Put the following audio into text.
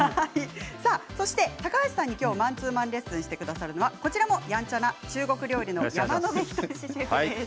さあそして高橋さんに今日マンツーマンレッスンしてくださるのはこちらもやんちゃな中国料理の山野辺仁シェフです。